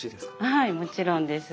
はいもちろんです。